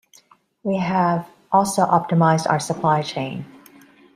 We have also optimised our supply chain.